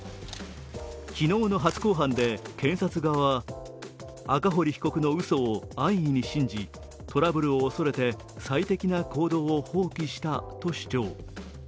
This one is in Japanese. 昨日の初公判で検察側は、赤堀被告のうそを安易に信じトラブルを恐れて最適な行動を放棄したと主張。